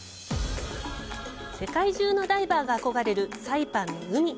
世界中のダイバーが憧れるサイパンの海。